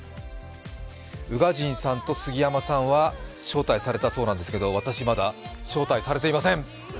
宇賀神さんと杉山さんは招待されたそうなんですけど私、まだ招待されていません。